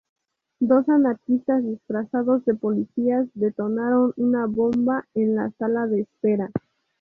Dos anarquistas disfrazados de policías detonaron una bomba en la sala de espera.